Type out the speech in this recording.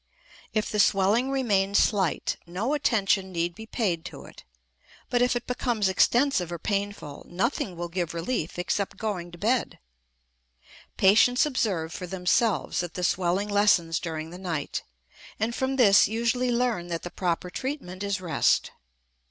If the swelling remains slight, no attention need be paid to it. But if it becomes extensive or painful, nothing will give relief except going to bed. Patients observe for themselves that the swelling lessens during the night, and from this usually learn that the proper treatment is rest.